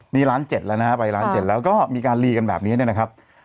นี่ล้านเจ็ดแล้วนะครับไปล้านเจ็ดแล้วก็มีการลีกันแบบนี้นะครับ